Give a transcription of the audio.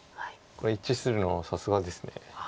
これ一致するのはさすがです。